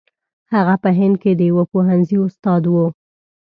هغه په هند کې د یوه پوهنځي استاد وو.